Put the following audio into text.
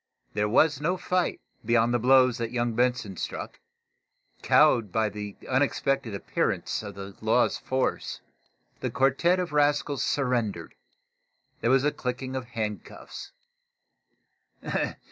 There was no fight, beyond the blows that young Benson struck. Cowed by the unexpected appearance of the law's force, the quartette of rascals surrendered. There was a clicking of handcuffs.